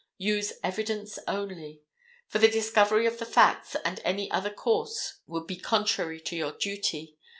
Use evidence only, for the discovery of the facts, and any other course would be contrary to your duty.